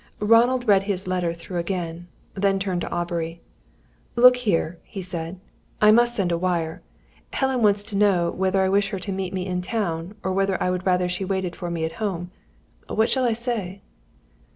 Ronald read his letter through again, then turned to Aubrey. "Look here," he said. "I must send a wire. Helen wants to know whether I wish her to meet me in town, or whether I would rather she waited for me at home. What shall I say?"